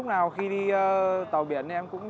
nó quic ướm